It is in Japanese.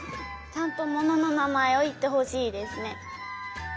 ちゃんとものの名まえをいってほしいですね。